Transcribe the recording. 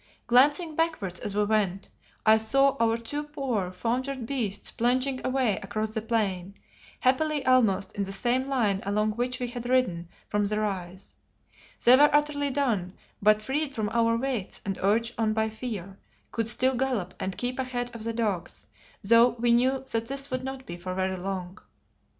Glancing backwards as we went, I saw our two poor, foundered beasts plunging away across the plain, happily almost in the same line along which we had ridden from the rise. They were utterly done, but freed from our weights and urged on by fear, could still gallop and keep ahead of the dogs, though we knew that this would not be for very long.